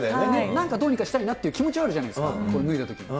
なんかどうにかしたいなっていう気持ちはあるじゃないですか、脱いだときに。